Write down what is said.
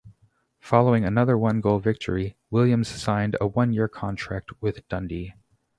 Following another one-goal victory, Williams signed a one-year contract with Dundee.